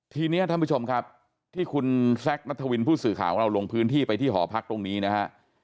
ทีนี้ท่านผู้ชมครับที่คุณแซคนัทวินผู้สื่อข่าวของเราลงพื้นที่ไปที่หอพักตรงนี้นะฮะ